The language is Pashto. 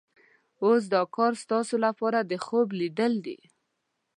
اوس دا کار ستاسو لپاره د خوب لیدل دي.